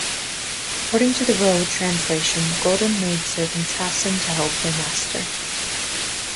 According to the Rieu translation, Golden maidservants hastened to help their master.